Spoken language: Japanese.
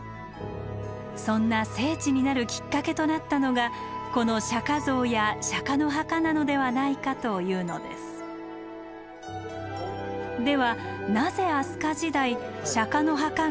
そんな聖地になるきっかけとなったのがこの釈像や釈の墓なのではないかというではなぜ飛鳥時代釈の墓が置かれたのか。